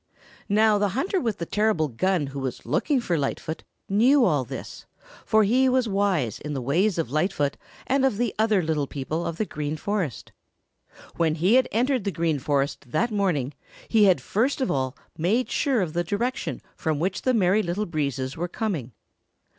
Now the hunter with the terrible gun who was looking for Lightfoot knew all this, for he was wise in the ways of Lightfoot and of the other little people of the Green Forest. When he had entered the Green Forest that morning he had first of all made sure of the direction from which the Merry Little Breezes were coming.